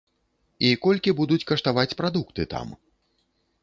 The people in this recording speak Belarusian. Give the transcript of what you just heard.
І колькі будуць каштаваць прадукты там?